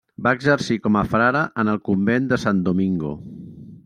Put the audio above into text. Va exercir com a frare en el convent de Sant Domingo.